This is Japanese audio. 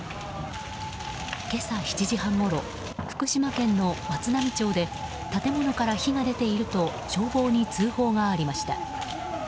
今朝７時半ごろ福島県の松浪町で建物から火が出ていると消防に通報がありました。